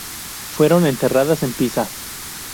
Fueron enterradas en Pisa.